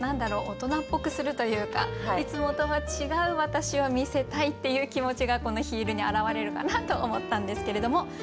大人っぽくするというかいつもとは違う私を見せたいっていう気持ちがこの「ヒール」に表れるかなと思ったんですけれども。